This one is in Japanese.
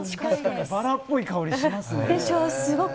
確かにバラっぽい香りしますね。